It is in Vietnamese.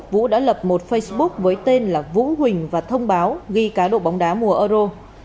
vũ đã lập một facebook với tên là vũ huỳnh và thông báo ghi cá độ bóng đá mùa euro